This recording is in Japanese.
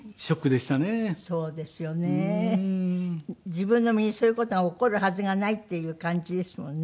自分の身にそういう事が起こるはずがないっていう感じですもんね。